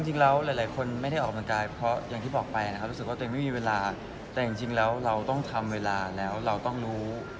หลายคนไม่ได้ออกกำลังกายเพราะอย่างที่บอกไปนะครับรู้สึกว่าตัวเองไม่มีเวลาแต่จริงแล้วเราต้องทำเวลาแล้วเราต้องรู้